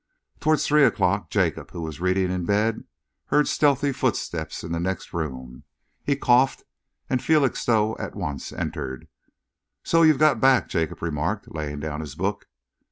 Towards three o'clock, Jacob, who was reading in bed, heard stealthy footsteps in the next room. He coughed and Felixstowe at once entered. "So you've got back," Jacob remarked, laying down his book.